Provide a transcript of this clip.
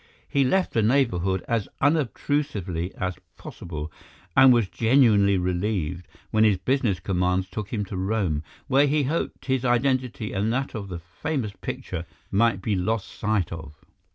He left the neighbourhood as unobtrusively as possible, and was genuinely relieved when his business commands took him to Rome, where he hoped his identity and that of the famous picture might be lost sight of.